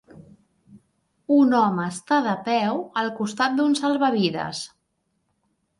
Un home està de peu al costat d'un salvavides.